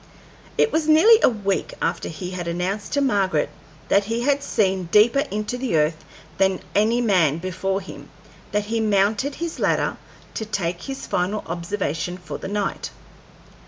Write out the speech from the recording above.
It was nearly a week after he had announced to Margaret that he had seen deeper into the earth than any man before him that he mounted his ladder to take his final observation for the night.